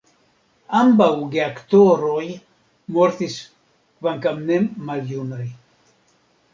Ambaŭ geaktoroj mortis kvankam ne maljunaj.